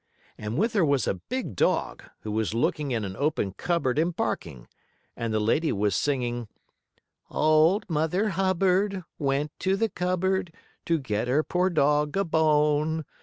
And with her was a big dog, who was looking in an open cupboard and barking. And the lady was singing: "Old Mother Hubbard Went to the cupboard To get her poor dog a bone.